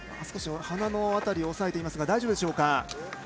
少し鼻の辺りを押さえていますが大丈夫でしょうか。